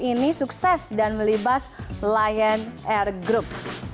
ini sukses dan melibas lion air group